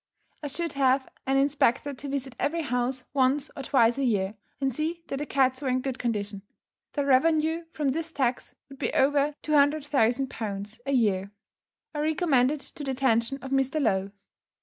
I should have an inspector to visit every house once or twice a year, and see that the cats were in good condition. The revenue from this tax would be over £200,000 a year. I recommend it to the attention of Mr. Lowe.